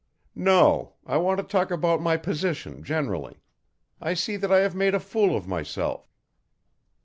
"No. I want to talk about my position generally. I see that I have made a fool of myself."